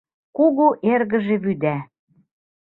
Кугу эргыже вӱда.